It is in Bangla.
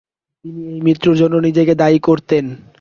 তিনি এই মৃত্যুর জন্য নিজেকে দায়ী করতেন।